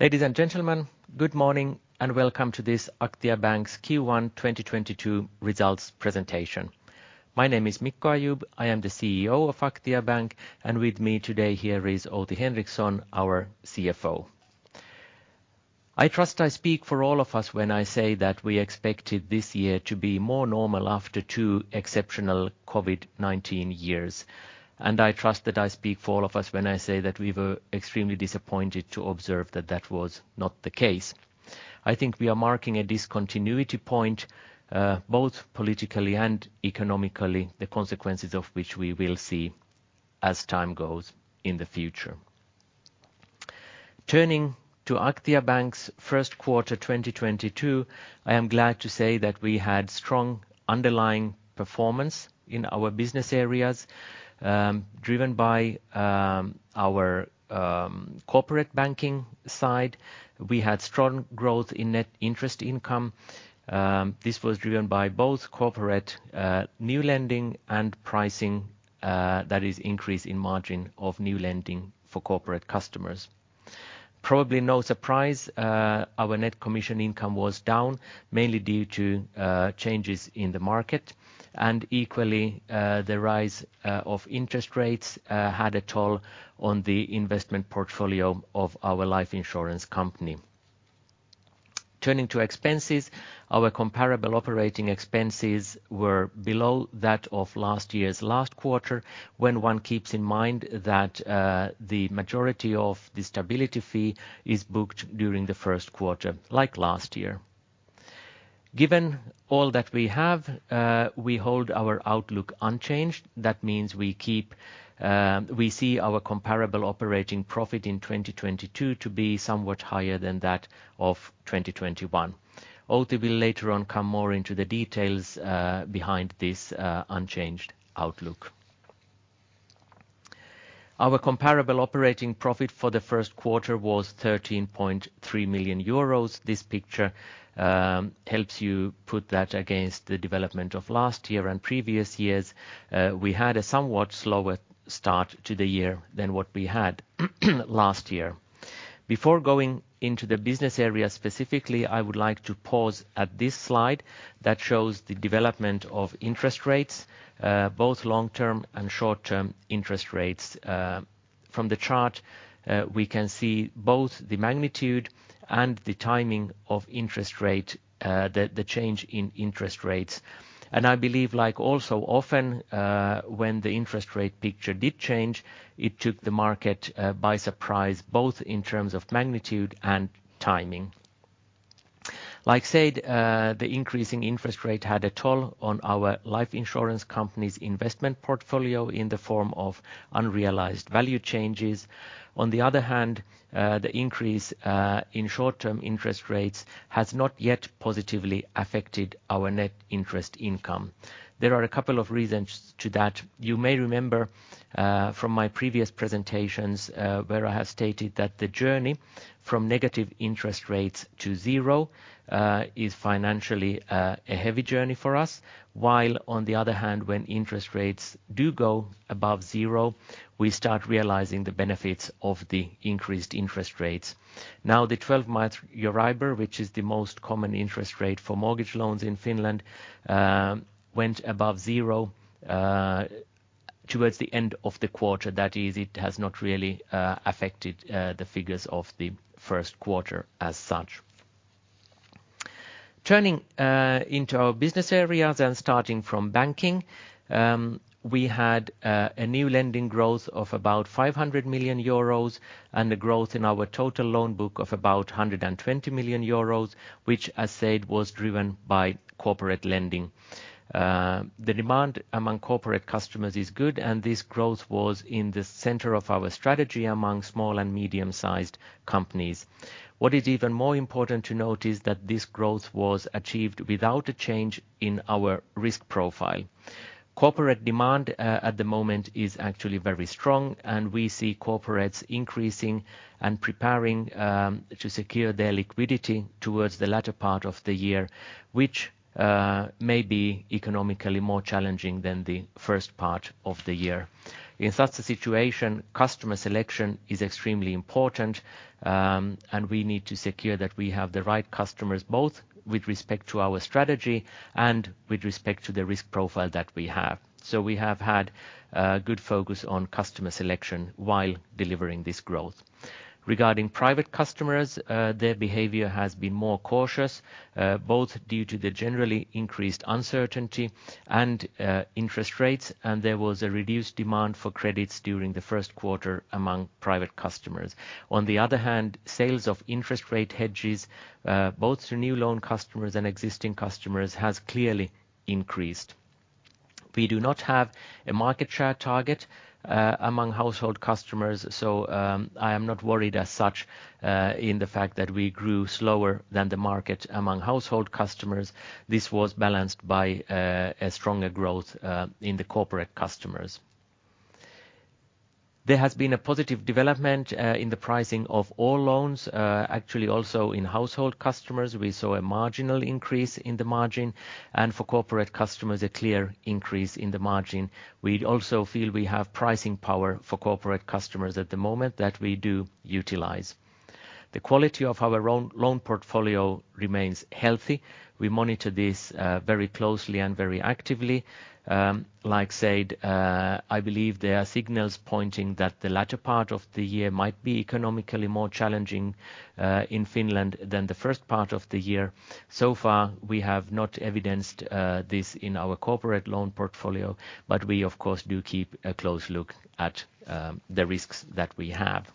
Ladies and gentlemen, good morning, and welcome to this Aktia Bank's Q1 2022 results presentation. My name is Mikko Ayub. I am the CEO of Aktia Bank, and with me today here is Outi Henriksson, our CFO. I trust I speak for all of us when I say that we expected this year to be more normal after two exceptional COVID-19 years. I trust that I speak for all of us when I say that we were extremely disappointed to observe that that was not the case. I think we are marking a discontinuity point, both politically and economically, the consequences of which we will see as time goes in the future. Turning to Aktia Bank's Q1 2022, I am glad to say that we had strong underlying performance in our business areas, driven by our corporate banking side. We had strong growth in net interest income. This was driven by both corporate new lending and pricing, that is increase in margin of new lending for corporate customers. Probably no surprise, our net commission income was down, mainly due to changes in the market. Equally, the rise of interest rates had a toll on the investment portfolio of our life insurance company. Turning to expenses, our comparable operating expenses were below that of last year's last quarter, when one keeps in mind that the majority of the stability fee is booked during the Q1, like last year. Given all that we have, we hold our outlook unchanged. That means we keep; we see our comparable operating profit in 2022 to be somewhat higher than that of 2021. Outi will later on come more into the details behind this unchanged outlook. Our comparable operating profit for the Q1 was 13.3 million euros. This picture helps you put that against the development of last year and previous years. We had a somewhat slower start to the year than what we had last year. Before going into the business area specifically, I would like to pause at this slide that shows the development of interest rates both long-term and short-term interest rates. From the chart, we can see both the magnitude and the timing of the change in interest rates. I believe, like also often, when the interest rate picture did change, it took the market by surprise, both in terms of magnitude and timing. As said, the increasing interest rate took a toll on our life insurance company's investment portfolio in the form of unrealized value changes. On the other hand, the increase in short-term interest rates has not yet positively affected our net interest income. There are a couple of reasons for that. You may remember from my previous presentations, where I have stated that the journey from negative interest rates to zero is financially a heavy journey for us. While on the other hand, when interest rates do go above zero, we start realizing the benefits of the increased interest rates. Now, the 12-month EURIBOR, which is the most common interest rate for mortgage loans in Finland, went above zero towards the end of the quarter. That is, it has not really affected the figures of the Q1 as such. Turning into our business areas and starting from banking, we had a new lending growth of about 500 million euros and the growth in our total loan book of about 120 million euros, which as said, was driven by corporate lending. The demand among corporate customers is good, and this growth was in the center of our strategy among small and medium-sized companies. What is even more important to note is that this growth was achieved without a change in our risk profile. Corporate demand at the moment is actually very strong, and we see corporates increasing and preparing to secure their liquidity towards the latter part of the year, which may be economically more challenging than the first part of the year. In such a situation, customer selection is extremely important, and we need to secure that we have the right customers, both with respect to our strategy and with respect to the risk profile that we have. We have had good focus on customer selection while delivering this growth. Regarding private customers, their behavior has been more cautious, both due to the generally increased uncertainty and interest rates, and there was a reduced demand for credits during the Q1 among private customers. On the other hand, sales of interest rate hedges, both to new loan customers and existing customers, has clearly increased. We do not have a market share target among household customers, so I am not worried as such about the fact that we grew slower than the market among household customers. This was balanced by a stronger growth in the corporate customers. There has been a positive development in the pricing of all loans. Actually, also in household customers, we saw a marginal increase in the margin, and for corporate customers, a clear increase in the margin. We also feel we have pricing power for corporate customers at the moment that we do utilize. The quality of our loan portfolio remains healthy. We monitor this very closely and very actively. As said, I believe there are signals pointing that the latter part of the year might be economically more challenging in Finland than the first part of the year. So far, we have not evidenced this in our corporate loan portfolio, but we of course do keep a close look at the risks that we have.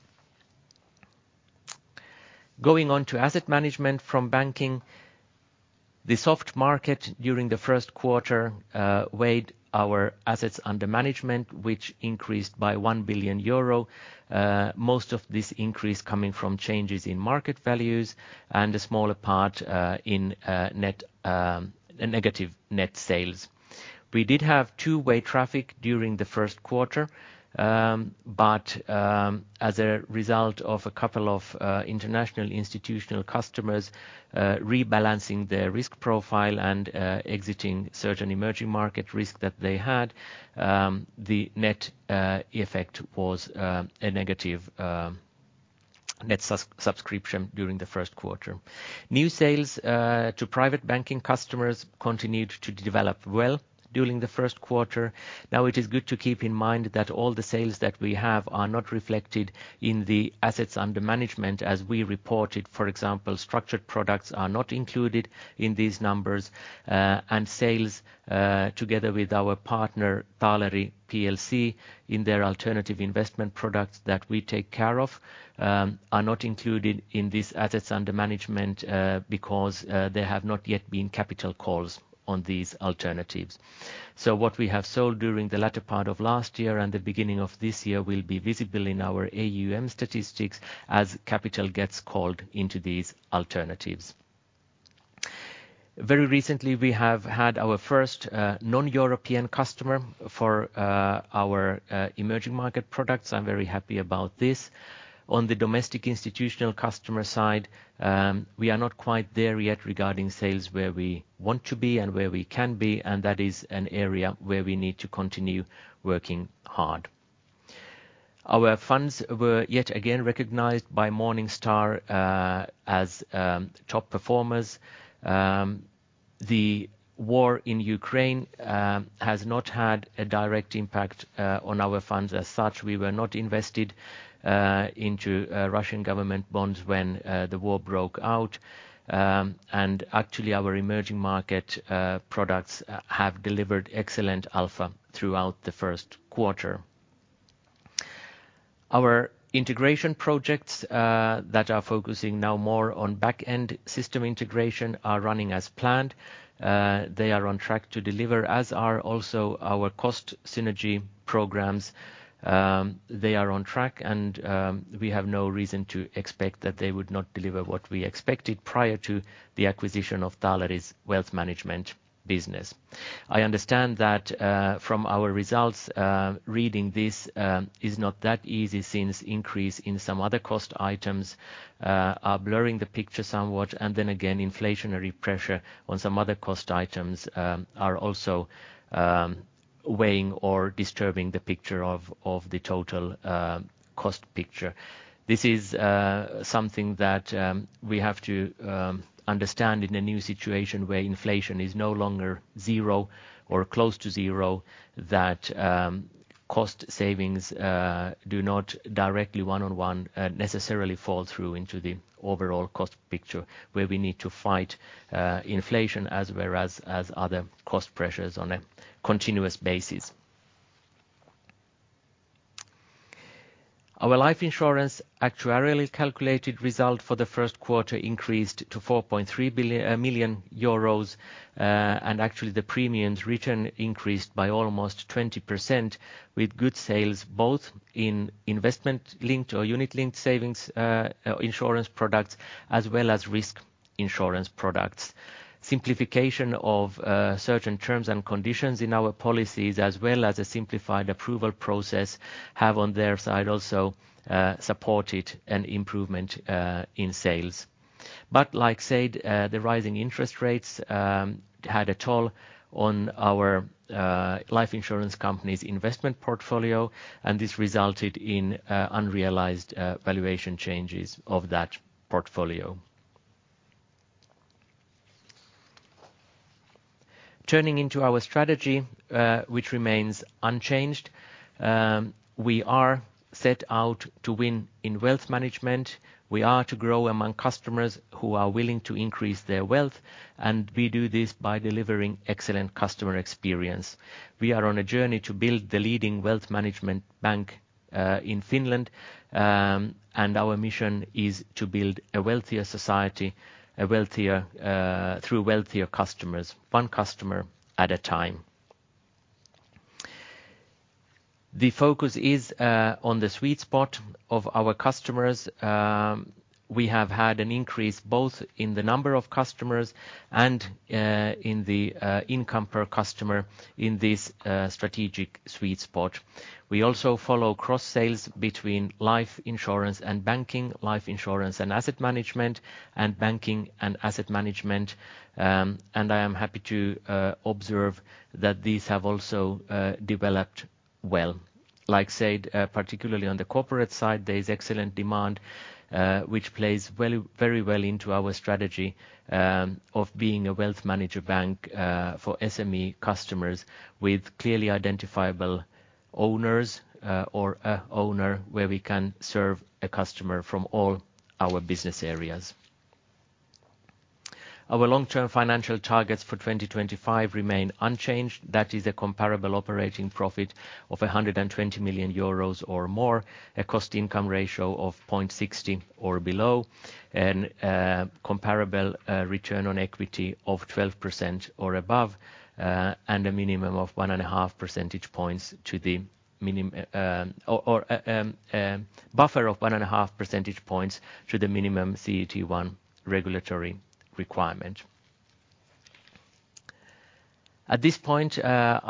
Going on to asset management from banking. The soft market during the Q1 weighed our assets under management, which increased by 1 billion euro. Most of this increase coming from changes in market values and a smaller part in negative net sales. We did have two-way traffic during the Q1, but as a result of a couple of international institutional customers rebalancing their risk profile and exiting certain emerging market risk that they had, the net effect was a negative net subscription during the Q1. New sales to private banking customers continued to develop well during the Q1. Now it is good to keep in mind that all the sales that we have are not reflected in the assets under management as we reported. For example, structured products are not included in these numbers. Sales together with our partner, Taaleri Plc, in their alternative investment products that we take care of are not included in these assets under management because there have not yet been capital calls on these alternatives. What we have sold during the latter part of last year and the beginning of this year will be visible in our AUM statistics as capital gets called into these alternatives. Very recently we have had our first non-European customer for our emerging market products. I'm very happy about this. On the domestic institutional customer side, we are not quite there yet regarding sales where we want to be and where we can be, and that is an area where we need to continue working hard. Our funds were yet again recognized by Morningstar as top performers. The war in Ukraine has not had a direct impact on our funds as such. We were not invested into Russian government bonds when the war broke out. Actually, our emerging market products have delivered excellent alpha throughout the Q1. Our integration projects that are focusing now more on back-end system integration are running as planned. They are on track to deliver, as are also our cost synergy programs. They are on track and we have no reason to expect that they would not deliver what we expected prior to the acquisition of Taaleri's wealth management business. I understand that from our results reading this is not that easy since increase in some other cost items are blurring the picture somewhat. Then again, inflationary pressure on some other cost items are also weighing or disturbing the picture of the total cost picture. This is something that we have to understand in a new situation where inflation is no longer zero or close to zero, that cost savings do not directly one-on-one necessarily fall through into the overall cost picture where we need to fight inflation whereas other cost pressures on a continuous basis. Our life insurance actuarially calculated result for the Q1 increased to 4.3 million euros. Actually the premiums return increased by almost 20% with good sales both in investment-linked or unit-linked savings, insurance products as well as risk insurance products. Simplification of certain terms and conditions in our policies, as well as a simplified approval process, have on their side also supported an improvement in sales. Like said, the rising interest rates had a toll on our life insurance company's investment portfolio, and this resulted in unrealized valuation changes of that portfolio. Turning to our strategy, which remains unchanged, we are set out to win in wealth management. We are to grow among customers who are willing to increase their wealth, and we do this by delivering excellent customer experience. We are on a journey to build the leading wealth management bank in Finland, and our mission is to build a wealthier society through wealthier customers, one customer at a time. The focus is on the sweet spot of our customers. We have had an increase both in the number of customers and in the income per customer in this strategic sweet spot. We also follow cross-sales between life insurance and banking, life insurance and asset management, and banking and asset management. I am happy to observe that these have also developed well. As said, particularly on the corporate side, there is excellent demand, which plays very well into our strategy of being a wealth manager bank for SME customers with clearly identifiable owners or an owner where we can serve a customer from all our business areas. Our long-term financial targets for 2025 remain unchanged. That is a comparable operating profit of 120 million euros or more, a cost income ratio of 0.60 or below, and comparable return on equity of 12% or above, and a minimum buffer of 1.5% to the minimum CET1 regulatory requirement. At this point,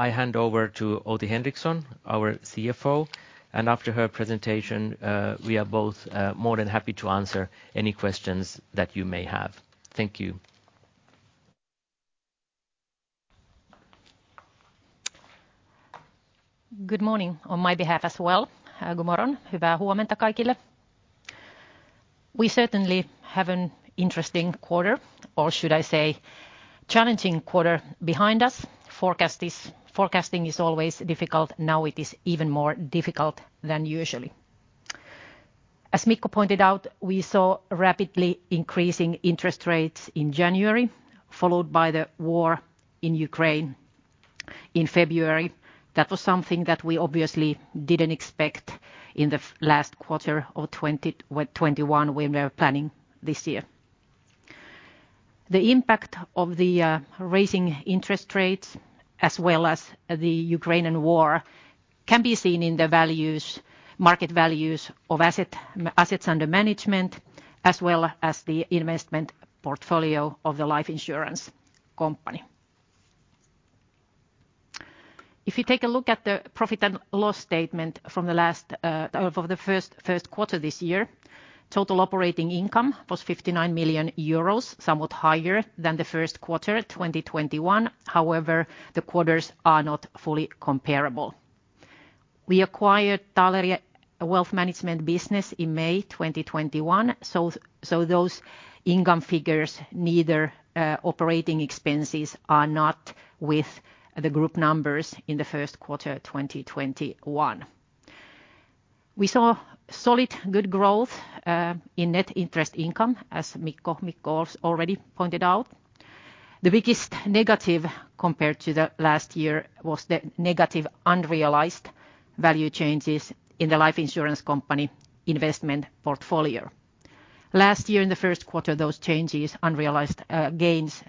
I hand over to Outi Henriksson, our CFO, and after her presentation, we are both, more than happy to answer any questions that you may have. Thank you. Good morning on my behalf as well. God morgon. Hyvää huomenta kaikille. We certainly have an interesting quarter or should I say challenging quarter behind us. Forecasting is always difficult. Now it is even more difficult than usual. As Mikko pointed out, we saw rapidly increasing interest rates in January, followed by the war in Ukraine in February. That was something that we obviously didn't expect in the last quarter of 2021 when we were planning this year. The impact of the raising interest rates as well as the Ukrainian war can be seen in the market values of assets under management, as well as the investment portfolio of the life insurance company. If you take a look at the profit and loss statement from the Q1 this year, total operating income was 59 million euros, somewhat higher than the Q1 2021. However, the quarters are not fully comparable. We acquired Taaleri Wealth Management business in May 2021. Those income figures, neither operating expenses, are not with the group numbers in the Q1 2021. We saw solid good growth in net interest income, as Mikko has already pointed out. The biggest negative compared to the last year was the negative unrealized value changes in the life insurance company investment portfolio. Last year in the Q1, those changes, unrealized gains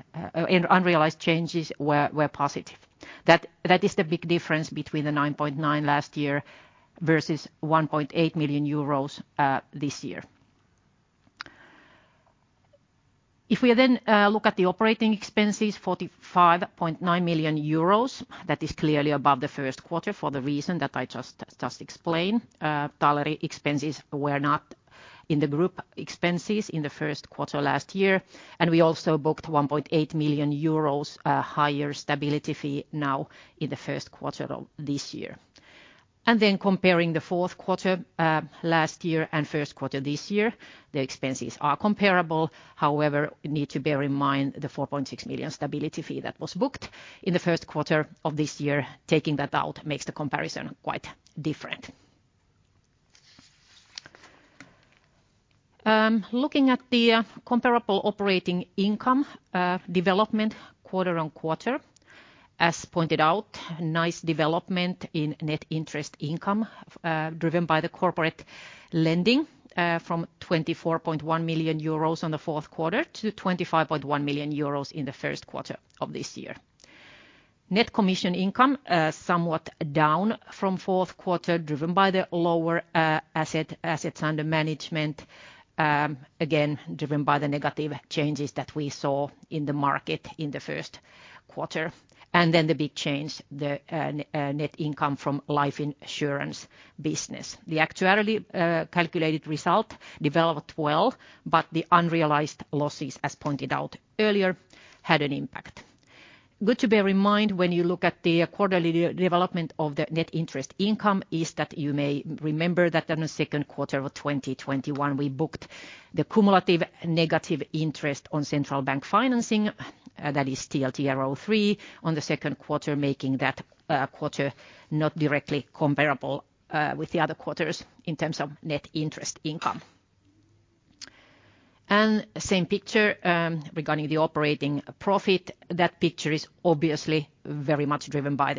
in unrealized changes were positive. That is the big difference between the 9.9 million last year versus 1.8 million euros this year. If we then look at the operating expenses, 45.9 million euros, that is clearly above the first quarter for the reason that I just explained. Taaleri expenses were not in the group expenses in the Q1 last year, and we also booked 1.8 million euros higher stability fee now in the Q1 of this year. Comparing the Q4 last year and Q1 this year, the expenses are comparable. However, we need to bear in mind the 4.6 million stability fee that was booked in the Q1 of this year. Taking that out makes the comparison quite different. Looking at the comparable operating income development quarter on quarter, as pointed out, nice development in net interest income, driven by the corporate lending, from 24.1 million euros in the Q4 to 25.1 million euros in the Q1 of this year. Net commission income somewhat down from Q4, driven by the lower assets under management, again, driven by the negative changes that we saw in the market in the Q1. The big change, net income from life insurance business. The actuarially calculated result developed well, but the unrealized losses, as pointed out earlier, had an impact. Good to bear in mind when you look at the quarterly development of the net interest income is that you may remember that in the Q2 of 2021 we booked the cumulative negative interest on central bank financing, that is TLTRO III in the Q2, making that quarter not directly comparable with the other quarters in terms of net interest income. Same picture regarding the operating profit. That picture is obviously very much driven by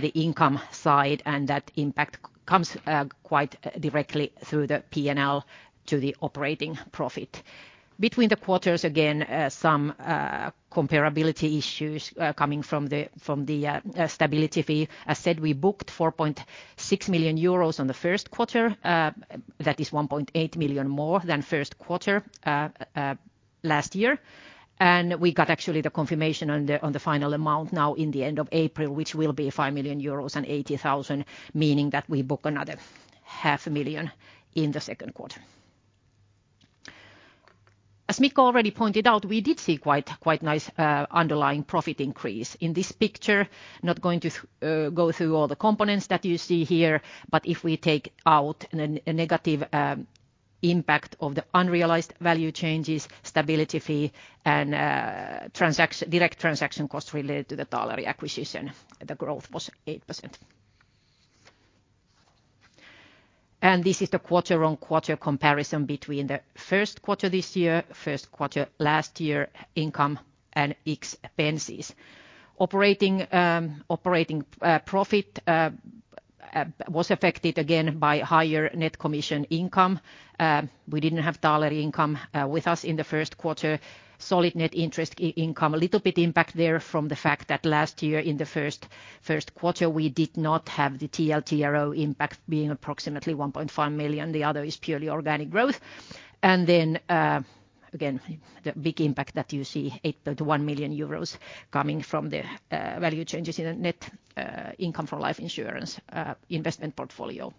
the income side, and that impact comes quite directly through the P&L to the operating profit. Between the quarters, again, some comparability issues coming from the stability fee. As said, we booked 4.6 million euros in the Q1, that is 1.8 million more than Q1 last year. We got actually the confirmation on the final amount now in the end of April, which will be 5 million euros and 80,000, meaning that we book another half a million in the second quarter. As Mikko already pointed out, we did see quite nice underlying profit increase. In this picture, not going to go through all the components that you see here, but if we take out a negative impact of the unrealized value changes, stability fee, and transaction, direct transaction costs related to the Taaleri acquisition, the growth was 8%. This is the QoQ comparison between the Q1 this year, first quarter last year income and expenses. Operating profit was affected again by higher net commission income. We didn't have Taaleri income with us in the Q1. Solid net interest income. A little bit impact there from the fact that last year in the Q1, we did not have the TLTRO impact being approximately 1.5 million. The other is purely organic growth. Again, the big impact that you see, 8.1 million euros coming from the value changes in the net income for life insurance investment portfolio.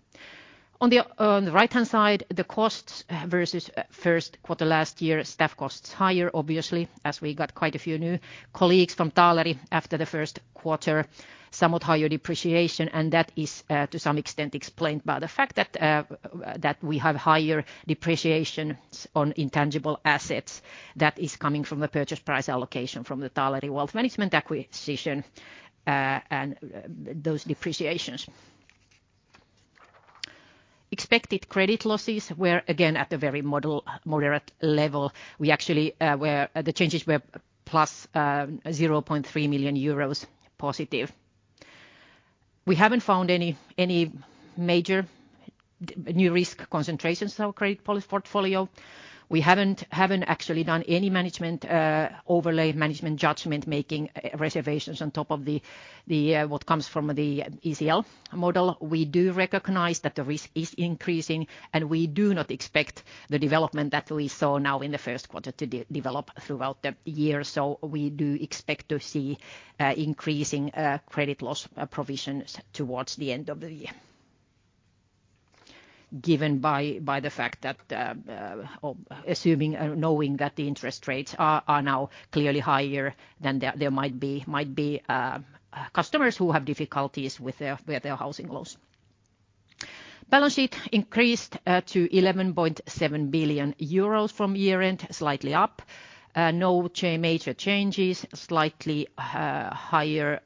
On the right-hand side, the costs versus Q1 last year, staff costs higher obviously, as we got quite a few new colleagues from Taaleri after the first quarter. Somewhat higher depreciation, and that is to some extent explained by the fact that we have higher depreciation on intangible assets that is coming from the purchase price allocation from the Taaleri wealth management acquisition, and those depreciations. Expected credit losses were again at the very low to moderate level. We actually were. The changes were plus 0.3 million euros positive. We haven't found any major new risk concentrations in our credit portfolio. We haven't actually done any management overlay management judgment making reservations on top of what comes from the ECL model. We do recognize that the risk is increasing, and we do not expect the development that we saw now in the Q1 to develop throughout the year. We do expect to see increasing credit loss provisions towards the end of the year. Given the fact that or assuming knowing that the interest rates are now clearly higher than they might be, customers who have difficulties with their housing loans. Balance sheet increased to 11.7 billion euros from year-end, slightly up. No major changes. Slightly higher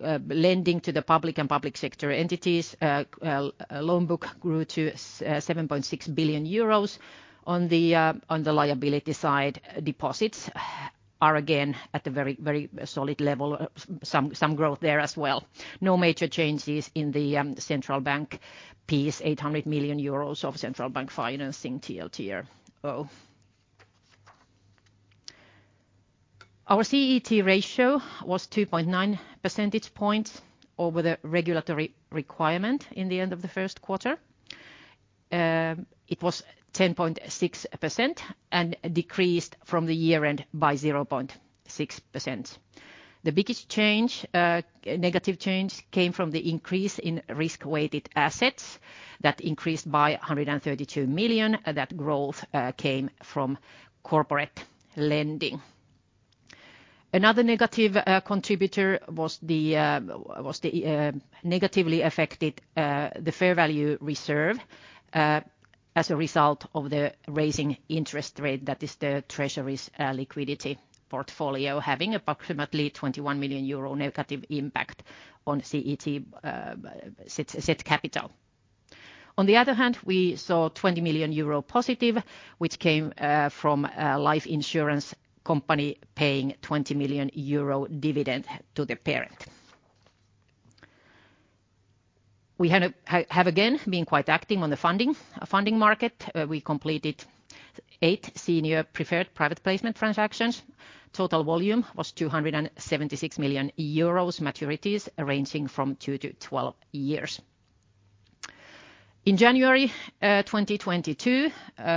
lending to the public and public sector entities. Loan book grew to 7.6 billion euros. On the liability side, deposits are again at the very solid level. Some growth there as well. No major changes in the central bank piece. 800 million euros of central bank financing TLTRO. Our CET1 ratio was 2.9% over the regulatory requirement in the end of the Q1. It was 10.6% and decreased from the year-end by 0.6%. The biggest negative change came from the increase in risk-weighted assets. That increased by 132 million, and that growth came from corporate lending. Another negative contributor was the negatively affected fair value reserve as a result of the rising interest rate that is the treasury's liquidity portfolio having approximately 21 million euro negative impact on CET1 capital. On the other hand, we saw 20 million euro positive, which came from a life insurance company paying 20 million euro dividend to the parent. We have again been quite active on the funding market. We completed eight senior preferred private placement transactions. Total volume was 276 million euros, maturities ranging from two to 12 years. In January 2022,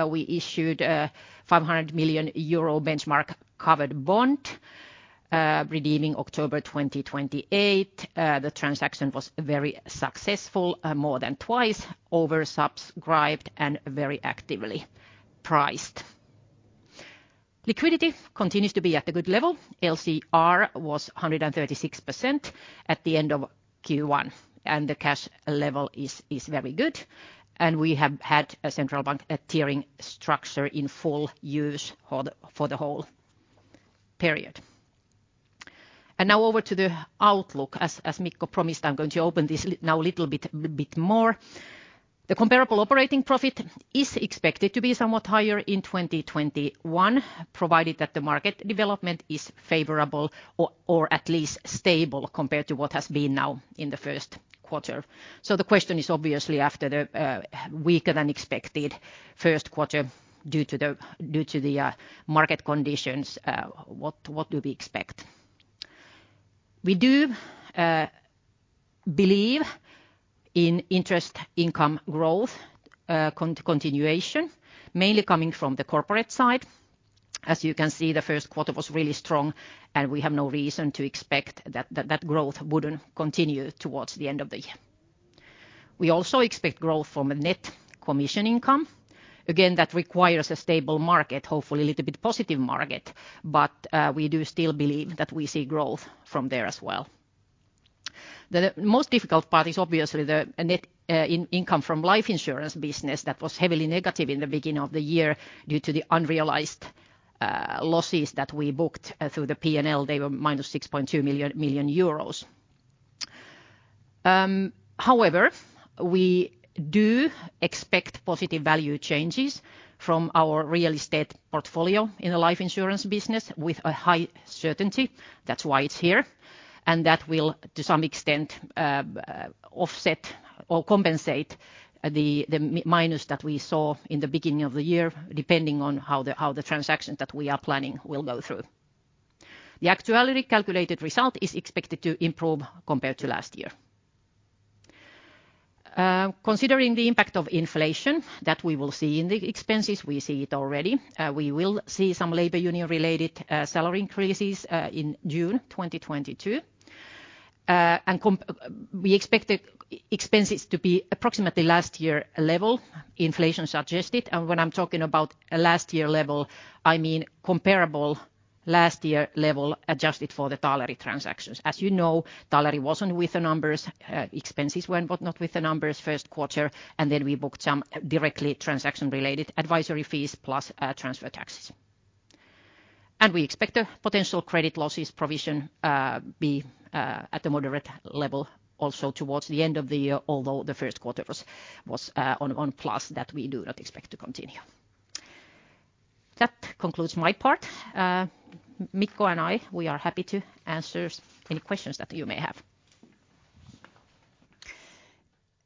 we issued a 500 million euro benchmark covered bond, redeeming October 2028. The transaction was very successful, more than twice oversubscribed and very actively priced. Liquidity continues to be at a good level. LCR was 136% at the end of Q1, and the cash level is very good. We have had a central bank tiering structure in full use for the whole period. Now over to the outlook. As Mikko promised, I'm going to open this up now a little bit more. The comparable operating profit is expected to be somewhat higher in 2021, provided that the market development is favorable or at least stable compared to what has been now in the Q1. The question is obviously after the weaker than expected Q1 due to the market conditions, what do we expect? We do believe in interest income growth, continuation, mainly coming from the corporate side. As you can see, the Q1 was really strong, and we have no reason to expect that growth wouldn't continue towards the end of the year. We also expect growth from a net commission income. Again, that requires a stable market, hopefully a little bit positive market, but we do still believe that we see growth from there as well. The most difficult part is obviously the net income from life insurance business that was heavily negative in the beginning of the year due to the unrealized losses that we booked through the P&L. They were minus 6.2 million euros. However, we do expect positive value changes from our real estate portfolio in the life insurance business with a high certainty. That's why it's here. That will, to some extent, offset or compensate the minus that we saw in the beginning of the year, depending on how the transactions that we are planning will go through. The actuarial calculated result is expected to improve compared to last year. Considering the impact of inflation that we will see in the expenses, we see it already. We will see some labor union-related salary increases in June 2022. We expect the expenses to be approximately last year level, inflation adjusted. When I'm talking about last year level, I mean comparable last year level adjusted for the Taaleri transactions. As you know, Taaleri wasn't with the numbers, expenses were, but not with the numbers Q1, and then we booked some directly transaction-related advisory fees plus transfer taxes. We expect the potential credit losses provision to be at a moderate level also towards the end of the year although the Q1 was on plus, that we do not expect to continue. That concludes my part. Mikko and I, we are happy to answer any questions that you may have.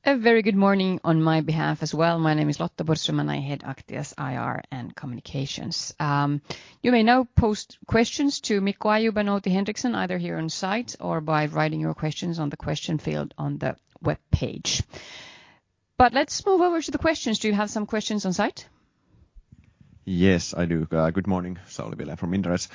A very good morning on my behalf as well. My name is Lotta Borgström, and I head Aktia's IR and Communications. You may now post questions to Mikko or Outi Henriksson either here on site or by writing your questions on the question field on the webpage. Let's move over to the questions. Do you have some questions on site? Yes, I do. Good morning. Sauli Vilen from Inderes.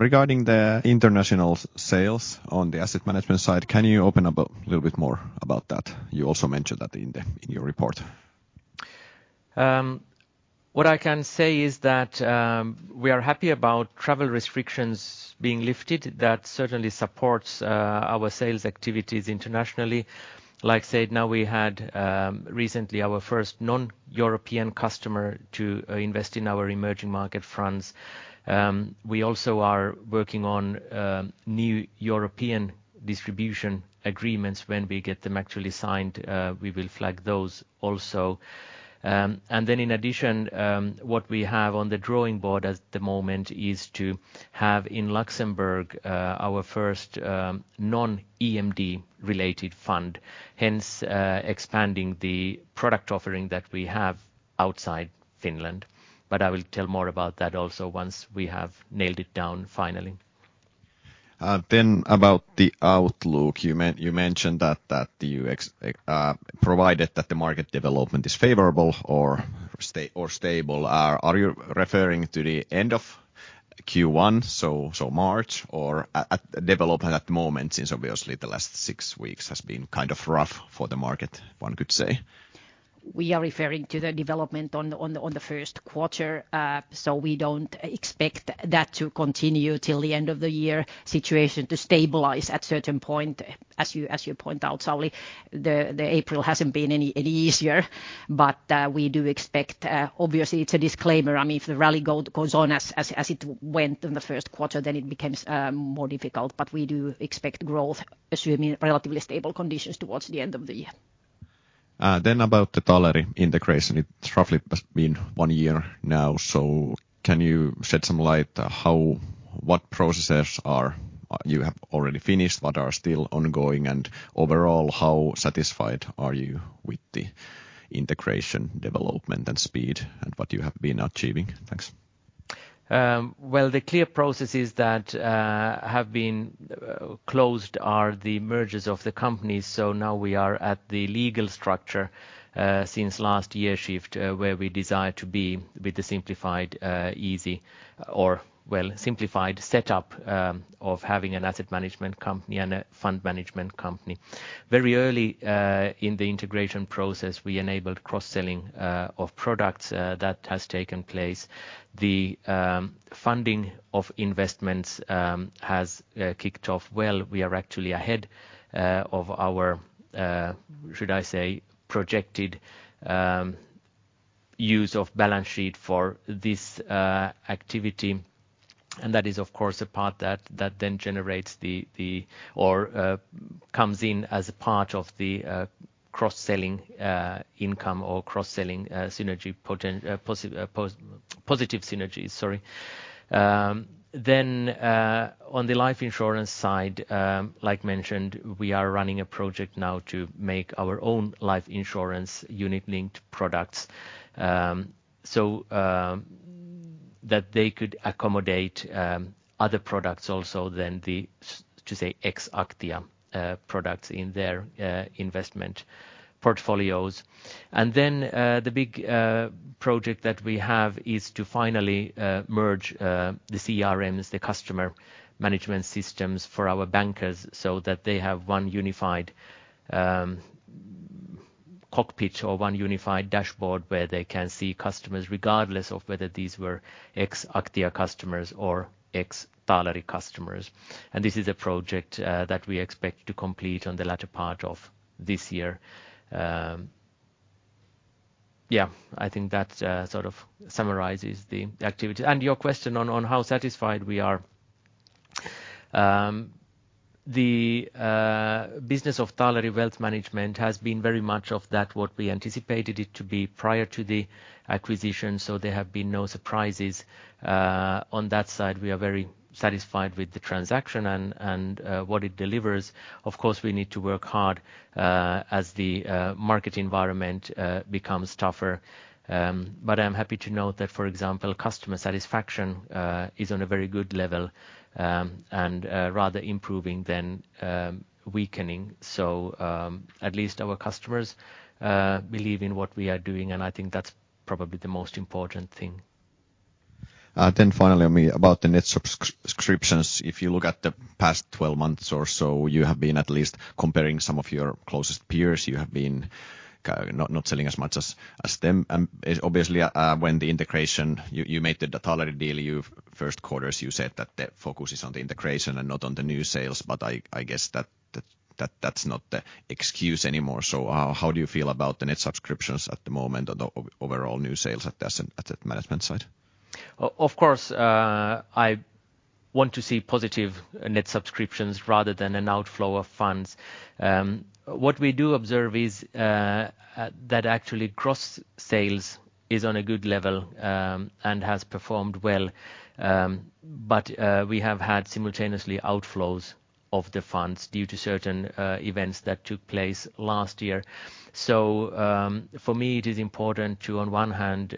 Regarding the international sales on the asset management side, can you open up a little bit more about that? You also mentioned that in your report. What I can say is that we are happy about travel restrictions being lifted. That certainly supports our sales activities internationally. Like said, now we had recently our first non-European customer to invest in our emerging market funds. We also are working on new European distribution agreements. When we get them actually signed, we will flag those also. In addition, what we have on the drawing board at the moment is to have in Luxembourg our first non-EMD related fund, hence expanding the product offering that we have outside Finland. I will tell more about that also once we have nailed it down finally. About the outlook, you mentioned that provided that the market development is favorable or stable. Are you referring to the end of Q1, so March, or the development at the moment, since obviously the last six weeks has been kind of rough for the market, one could say? We are referring to the development on the Q1. We don't expect that to continue till the end of the year situation to stabilize at certain point. As you point out, Sauli Vilen, the April hasn't been any easier. We do expect, obviously it's a disclaimer. I mean, if the rally goes on as it went in the Q1, then it becomes more difficult. We do expect growth, assuming relatively stable conditions towards the end of the year. about the Taaleri integration, it roughly has been one year now. Can you shed some light how, what processes are, you have already finished, what are still ongoing, and overall, how satisfied are you with the integration development and speed and what you have been achieving? Thanks. Well, the clear processes that have been closed are the mergers of the companies. Now we are at the legal structure since last year shift where we desire to be with the simplified setup of having an asset management company and a fund management company. Very early in the integration process, we enabled cross-selling of products that has taken place. The funding of investments has kicked off well. We are actually ahead of our should I say projected use of balance sheet for this activity. That is, of course, a part that then generates the or comes in as a part of the cross-selling income or cross-selling synergy positive synergies. Sorry. On the life insurance side, like mentioned, we are running a project now to make our own life insurance unit linked products, so that they could accommodate other products also than the, to say, ex-Aktia products in their investment portfolios. The big project that we have is to finally merge the CRMs, the customer management systems for our bankers, so that they have one unified Cockpit or one unified dashboard where they can see customers regardless of whether these were ex-Aktia customers or ex-Taaleri customers. This is a project that we expect to complete on the latter part of this year. Yeah, I think that sort of summarizes the activity. Your question on how satisfied we are. The business of Taaleri Wealth Management has been very much of that what we anticipated it to be prior to the acquisition, so there have been no surprises. On that side, we are very satisfied with the transaction and what it delivers. Of course, we need to work hard as the market environment becomes tougher. I'm happy to note that, for example, customer satisfaction is on a very good level and rather improving than weakening. At least our customers believe in what we are doing, and I think that's probably the most important thing. Finally, I mean, about the net subscriptions, if you look at the past 12 months or so, you have been at least comparing some of your closest peers. You have been not selling as much as them. Obviously, when the integration, you made the Taaleri deal. Q1s, you said that the focus is on the integration and not on the new sales, but I guess that that's not the excuse anymore. How do you feel about the net subscriptions at the moment or the overall new sales at the asset management side? Of course, I want to see positive net subscriptions rather than an outflow of funds. What we do observe is that actually gross sales is on a good level and has performed well. We have had simultaneously outflows of the funds due to certain events that took place last year. For me, it is important to on one hand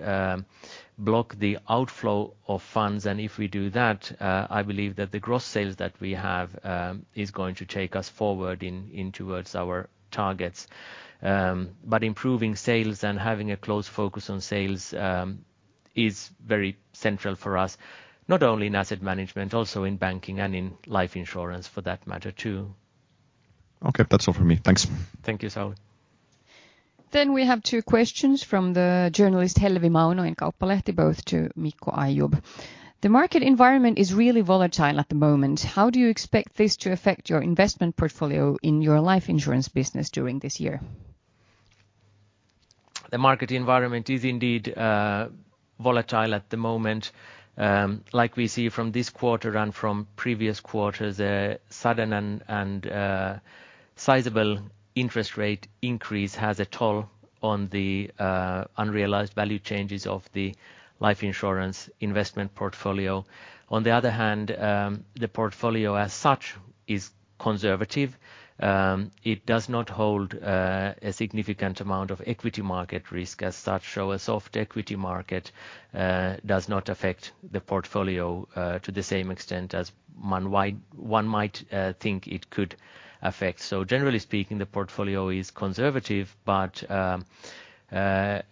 block the outflow of funds, and if we do that, I believe that the gross sales that we have is going to take us forward towards our targets. Improving sales and having a close focus on sales is very central for us, not only in asset management, also in banking and in life insurance for that matter too. Okay. That's all for me. Thanks. Thank you, Sauli. We have two questions from the journalist Hellevi Mauno in Kauppalehti, both to Mikko Ayub. The market environment is really volatile at the moment. How do you expect this to affect your investment portfolio in your life insurance business during this year? The market environment is indeed, volatile at the moment. Like we see from this quarter and from previous quarters, a sudden and sizable interest rate increase has a toll on the unrealized value changes of the life insurance investment portfolio. On the other hand, the portfolio as such is conservative. It does not hold a significant amount of equity market risk as such. A soft equity market does not affect the portfolio to the same extent as one might think it could affect. Generally speaking, the portfolio is conservative, but a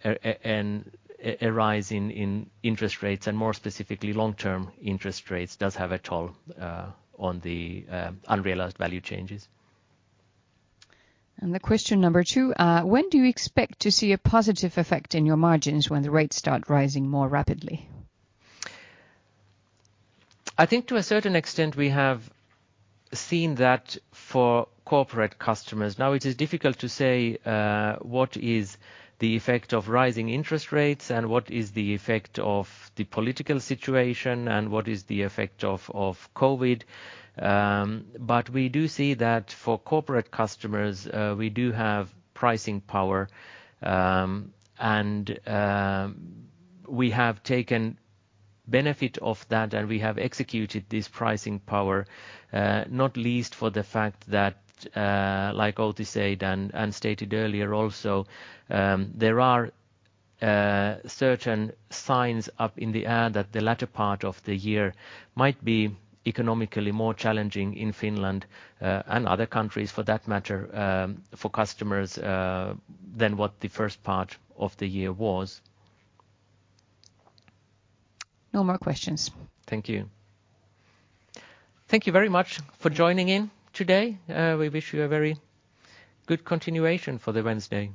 rise in interest rates and more specifically long-term interest rates does have a toll on the unrealized value changes. The question number two. When do you expect to see a positive effect in your margins when the rates start rising more rapidly? I think to a certain extent we have seen that for corporate customers. Now it is difficult to say what is the effect of rising interest rates and what is the effect of the political situation and what is the effect of COVID. But we do see that for corporate customers, we do have pricing power. And we have taken benefit of that, and we have executed this pricing power, not least for the fact that, like Outi said and stated earlier also, there are certain signs up in the air that the latter part of the year might be economically more challenging in Finland, and other countries for that matter, for customers, than what the first part of the year was. No more questions. Thank you. Thank you very much for joining in today. We wish you a very good continuation for the Wednesday.